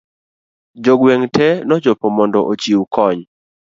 jogweng' te nochopo mondo ochiw kony